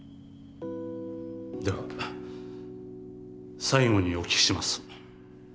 では最後にお聞きします。